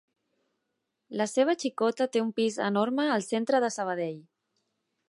La seva xicota té un pis enorme al centre de Sabadell.